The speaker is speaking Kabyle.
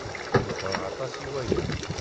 Meqqṛeɣ aṭas i waya.